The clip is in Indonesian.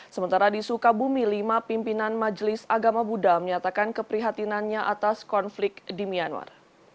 sementara di sukabumi lima pimpinan majelis agama buddha menyatakan keprihatinannya atas konflik di myanmar